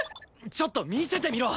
ちょっと見せてみろ！